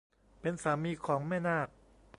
เป็นสามีของแม่นาก